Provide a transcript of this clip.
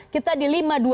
kita di lima puluh dua tujuh